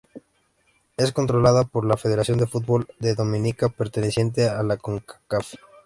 Es controlada por la Federación de Fútbol de Dominica, perteneciente a la Concacaf.